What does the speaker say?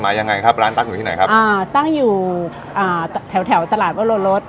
ยังไงครับร้านตั๊กอยู่ที่ไหนครับอ่าตั้งอยู่อ่าแถวแถวตลาดวโลรส